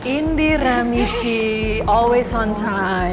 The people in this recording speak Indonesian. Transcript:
indira michi selalu ada waktu